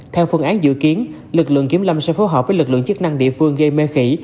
theo phương án dự kiến lực lượng kiểm lâm sẽ phối hợp với lực lượng chức năng địa phương gây mê khỉ